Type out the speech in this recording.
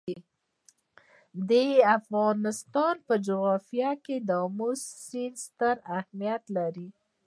د افغانستان په جغرافیه کې آمو سیند ستر اهمیت لري.